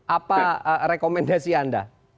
apa rekomendasi anda